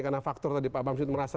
karena faktor tadi pak amsud merasa